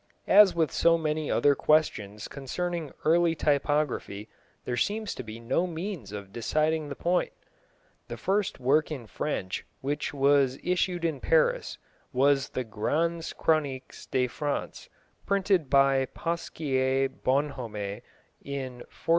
As with so many other questions concerning early typography, there seems to be no means of deciding the point. The first work in French which was issued in Paris was the Grands Chroniques de France, printed by Pasquier Bonhomme in 1477.